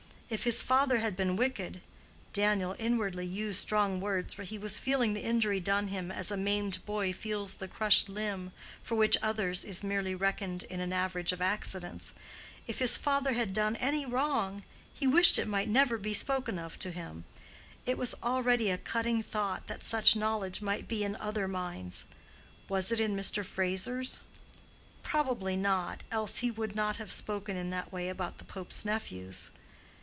If his father had been wicked—Daniel inwardly used strong words, for he was feeling the injury done him as a maimed boy feels the crushed limb which for others is merely reckoned in an average of accidents—if his father had done any wrong, he wished it might never be spoken of to him: it was already a cutting thought that such knowledge might be in other minds. Was it in Mr. Fraser's? probably not, else he would not have spoken in that way about the pope's nephews.